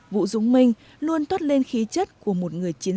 vũ dũng minh luôn toát lên khí chất của một người chiến sĩ